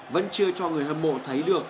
vẫn chưa cho người hâm mộ thấy được